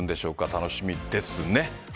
楽しみですね。